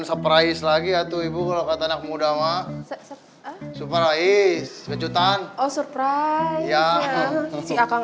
surprise lagi atuh ibu kalau kata anak muda ma supra is kejutan oh surprise ya si akang